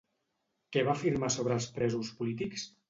Què va afirmar sobre els presos polítics?